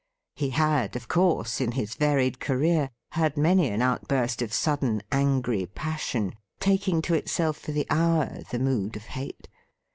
He had, of course, in his varied career had many an outburst of sudden angry passion, taking to itself for the hour the mood of hate.